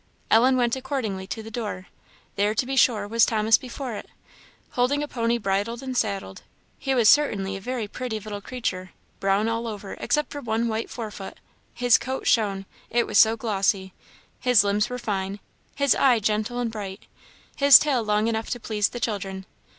Ellen went accordingly to the door. There, to be sure, was Thomas before it, holding a pony bridled and saddled. He was certainly a very pretty, little creature; brown all over except one white forefoot; his coat shone, it was so glossy; his limbs were fine; his eye gentle and bright; his tail long enough to please the children.